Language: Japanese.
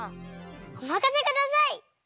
おまかせください！